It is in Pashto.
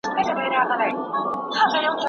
موږ تبعیدیان یو، خو کیسه له سره بیا پیل ده